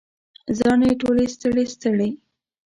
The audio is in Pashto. زاڼې ټولې ستړي، ستړي